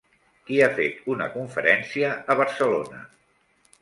Qui ha fet una conferència a Barcelona?